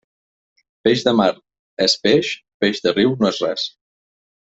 Peix de mar és peix, peix de riu no és res.